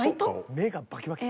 目がバキバキ。